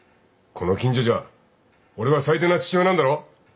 この近所じゃ俺は最低な父親なんだろ？